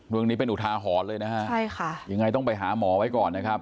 เรื่องนี้เป็นอุทาหรอดเลยนะครับยังไงให้พี่หายบวมก่อนครับ